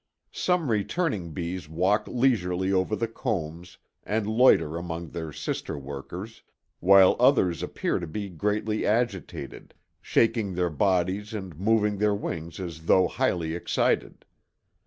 Some returning bees walk leisurely over the combs and loiter among their sister workers, while others appear to be greatly agitated, shaking their bodies and moving their wings as though highly excited.